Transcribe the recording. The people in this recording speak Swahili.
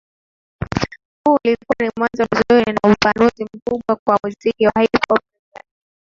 Huu ulikuwa ni mwanzo mzuri na upanuzi mkubwa kwa muziki wa Hip Hop Tanzania